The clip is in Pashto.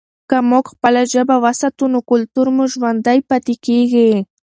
که موږ خپله ژبه وساتو نو کلتور مو ژوندی پاتې کېږي.